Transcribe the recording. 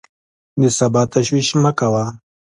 د سبا تشویش مه کوه!